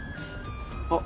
あっ。